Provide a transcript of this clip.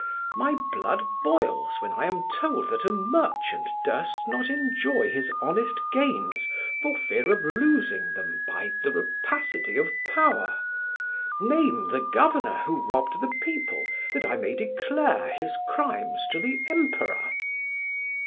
My blood boils when I am told that a merchant durst not enjoy his honest gains for fear of losing them by the rapacity of power. Name the governor who robbed the people that I may declare his crimes to the Emperor!"